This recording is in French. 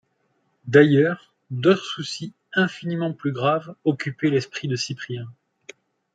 D’ailleurs, d’autres soucis, infiniment plus graves, occupaient l’esprit de Cyprien.